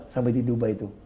sampai di dubai itu